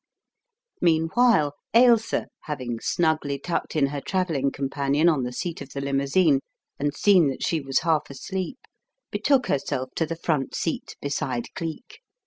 Meanwhile, Ailsa, having snugly tucked in her travelling companion on the seat of the limousine, and seen that she was half asleep, betook herself to the front seat beside Cleek.